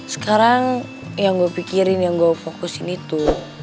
sekarang yang gue pikirin yang gue fokusin itu